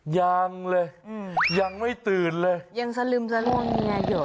ยังเลยยังไม่ตื่นเลยยังสลึมสลึม